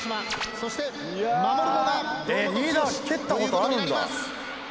そして守るのが堂本剛ということになります」